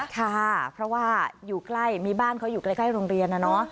ค่ะเพราะว่าอยู่ใกล้มีบ้านเขาอยู่ใกล้โรงเรียนนะเนอะ